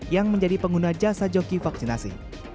yang menjadi pengguna jasa joki vaksinasi